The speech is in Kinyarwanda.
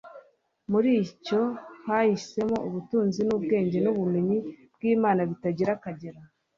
Muri cyo hahishemo “ubutunzi n'ubwenge n'ubumenyi by'Imana bitagira akagero